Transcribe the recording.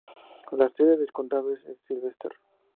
La sede del condado es Sylvester.